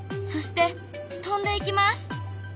そして飛んでいきます。